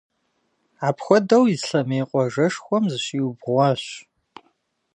Апхуэдэу Ислъэмей къуажэшхуэм зыщиубгъуащ.